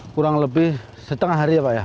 kurang lebih setengah hari ya pak ya